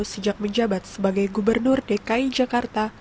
sejak menjabat sebagai gubernur dki jakarta